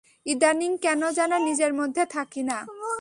ইদানীং কেন যেন নিজের মধ্যে থাকি না।